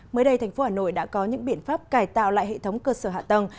mới đây thành phố hà nội đã có những biện pháp cải tạo lại hệ thống cơ sở hạ tầng